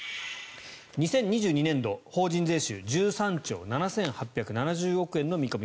２０２２年度、法人税収１３兆７８７０億円の見込み。